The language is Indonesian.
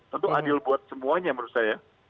tentu adil buat semuanya menurut saya